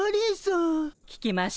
聞きましたわよ。